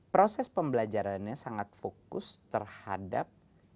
proses pembelajarannya sangat fokus terhadap